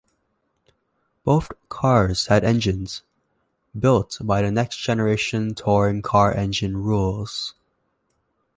Both cars had engines, built by the Next Generation Touring Car engine rules.